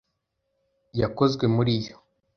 yakozwe muri yo